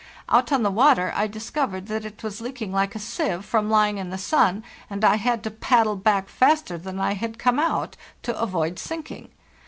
Out on the water I discovered that it was leaking like a sieve from lying in the sun, and I had to paddle back faster than I had come out, to avoid sinking.